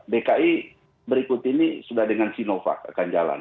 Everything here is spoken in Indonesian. dki berikut ini sudah dengan sinovac akan jalan